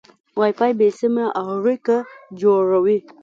وای فای بې سیمه اړیکه جوړوي.